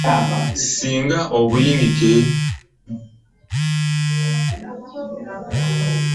Singa obuyinike tebuggwe mu baana bangi bajja okufuuweta enjaga.